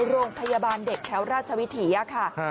โรงพยาบาลเด็กแถวราชวิถีค่ะ